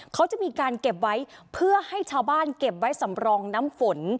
เขาจะมีการเก็บไว้เพื่อให้ชาวบ้านเก็บไว้สำรองน้ำฝน